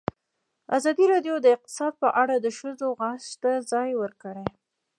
ازادي راډیو د اقتصاد په اړه د ښځو غږ ته ځای ورکړی.